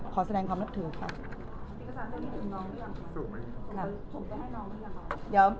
ขอแสดงคำนับถือครับ